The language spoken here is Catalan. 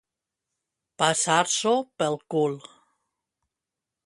Passar-s'ho pel cul.